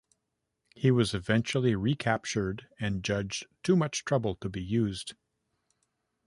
He was eventually recaptured and judged too much trouble to be used.